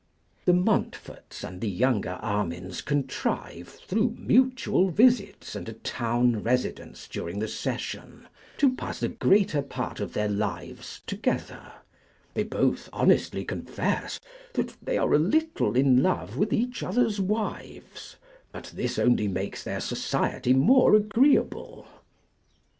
The Montforts and the younger Armines contrive, through mutual visits and a town residence during the Session, to pass the greater part of their lives together; they both honestly confess that they are a little in love with each other's wives, but this only makes their society more agreeable.